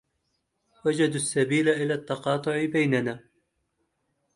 وجدوا السبيل إلى التقاطع بيننا